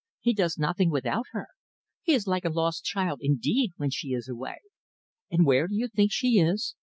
He does nothing without her. He is like a lost child, indeed, when she is away. And where do you think she is?